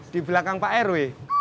di belakang pak rw